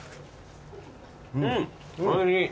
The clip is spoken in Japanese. うんおいしい。